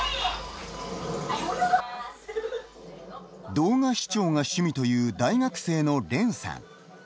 動画視聴が趣味という大学生のレンさん。